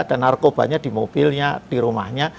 dan narkobanya di mobilnya di rumahnya